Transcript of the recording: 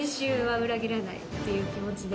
ていう気持ちで。